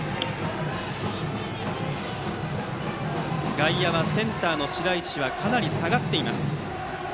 外野はセンターの白石はかなり下がっています。